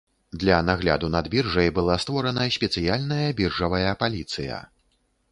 Для нагляду над біржай была створана спецыяльная біржавая паліцыя.